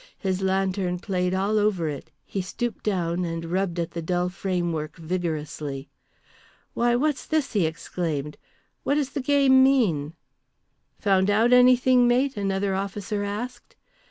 His lantern played all over it, he stooped down and rubbed at the dull frame work vigorously. "Why, what's this?" he exclaimed. "What does the game mean?" "Found anything out, mate?" another officer asked.